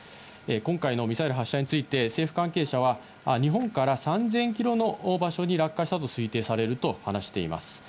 今回のミサイル発射について政府関係者は日本から３０００キロの場所に落下したと推定されると話しています。